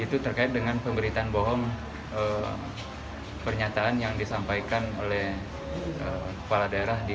ini itu terkait dengan pemberitaan bohong pernyataan yang disampaikan oleh kepala daerah di